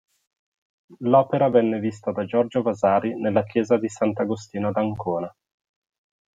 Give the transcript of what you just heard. L'opera venne vista da Giorgio Vasari nella chiesa di Sant'Agostino ad Ancona.